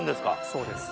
そうです。